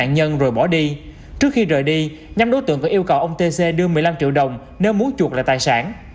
nhóm đối tượng còn yêu cầu ông t c đưa một mươi năm triệu đồng nếu muốn chuột lại tài sản